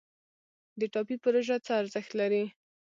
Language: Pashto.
د ټاپي پروژه څه ارزښت لري؟